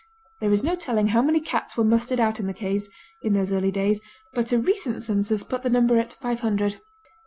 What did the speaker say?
There is no telling how many cats were mustered out in the caves, in those early days, but a recent census put the number at five hundred.